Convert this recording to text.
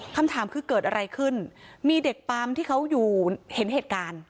คำถามคือเกิดอะไรขึ้นมีเด็กปั๊มที่เขาอยู่เห็นเหตุการณ์